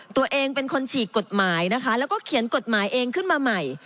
ตัวเองเป็นคนฉีกกฎหมายนะคะแล้วก็เขียนกฎหมายเองขึ้นมาใหม่